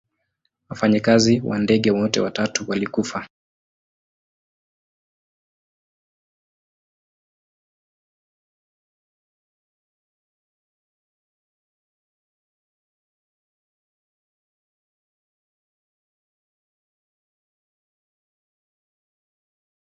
Baadaye alikua waziri mzuri katika Serikali ya Tanzania.